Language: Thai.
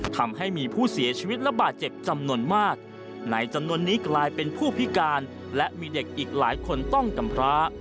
ทำให้มีผู้เสียชีวิตระบาดเจ็บจำนวนมากในจำนวนนี้กลายเป็นผู้พิการและมีเด็กอีกหลายคนต้องกำพร้า